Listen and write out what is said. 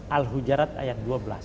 al hujarat ayat dua belas